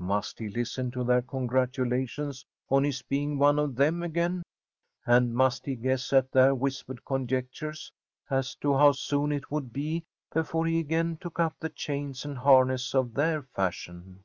Must he listen to their congratulations on his being one of them again, and must he guess at their whispered conjectures as to how soon it would be before he again took up the chains and harness of their fashion?